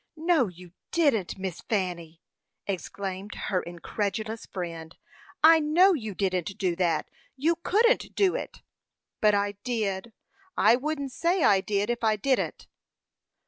"No, you didn't, Miss Fanny!" exclaimed her incredulous friend. "I know you didn't do that; you couldn't do it." "But I did; I wouldn't say I did if I didn't."